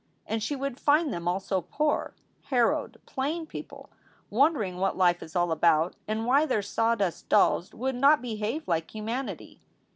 And she would find them also poor, harrowed, plain people, wondering what life is all about and why their sawdust dolls would not behave like humanity.